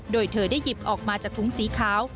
โดยเธอได้หยิบออกมาจากถุงสีขาว